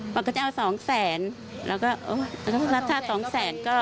บอกว่าจะเอาสองแสนแล้วก็เอาสองแสนก็